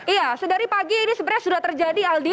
iya sedari pagi ini sebenarnya sudah terjadi aldi